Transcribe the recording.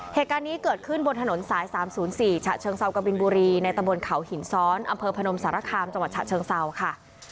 เหตุการณ์นี้เกิดขึ้นบนถนนสาย๓๐๔ฉะเชิงเซากบินบุรีในตะบนเขาหินซ้อนอำเภอพนมสารคามจังหวัดฉะเชิงเซาค่ะ